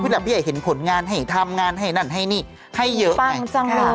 เพราะว่าพี่แจ็คเห็นผลงานให้ทำงานให้นั่นให้นี่ให้เยอะไง